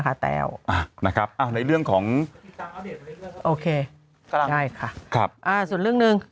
คะแต่นะครับในเรื่องของโอเคได้ค่ะครับอ่าส่วนเรื่องนึง